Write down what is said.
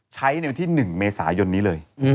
ใช้ในวันที่๑เมษายนนี้เลย